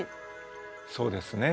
そうですね。